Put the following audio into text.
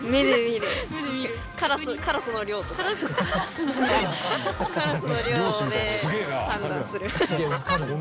カラスの量で判断する。